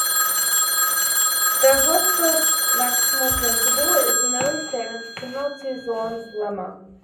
The Hausdorff maximal principle is an early statement similar to Zorn's lemma.